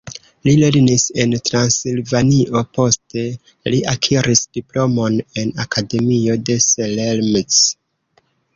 Li lernis en Transilvanio, poste li akiris diplomon en Akademio de Selmec.